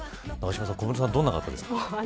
小室さんはどんな方ですか。